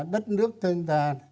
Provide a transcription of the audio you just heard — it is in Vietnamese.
đất nước thân ta